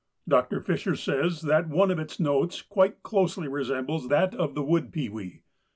Dr. Fisher says that one of its notes quite closely resembles that of the wood pewee.